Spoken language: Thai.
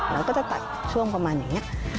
เราก็จะตัดช่วงประมาณอย่างนี้